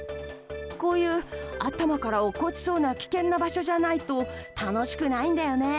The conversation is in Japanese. こういう頭から落っこちそうな場所じゃないと楽しくないんだよね。